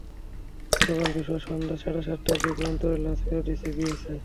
গতকাল বৃহস্পতিবার সন্ধ্যা সাড়ে সাতটার দিকে অন্তরের লাশ ফেরত দিয়েছে বিএসএফ।